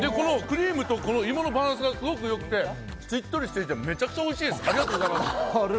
クリームと芋のバランスがすごく良くて、しっとりしていてめちゃくちゃおいしいです。